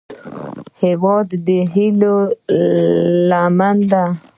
هیواد د هیلې لمنه ده